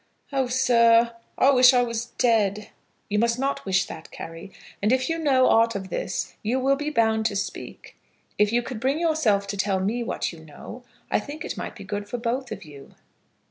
"Oh, sir, I wish I was dead." "You must not wish that, Carry. And if you know ought of this you will be bound to speak. If you could bring yourself to tell me what you know, I think it might be good for both of you."